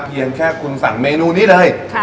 เพียงแค่คุณสั่งเมนูนี้เลย